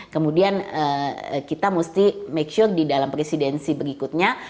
kemudian kita mesti make sure di dalam presidensi berikutnya